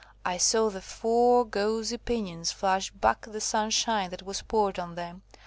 I saw the four gauzy pinions flash back the sunshine that was poured on them.